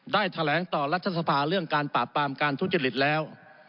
แถลงต่อรัฐสภาเรื่องการปราบปรามการทุจริตแล้ว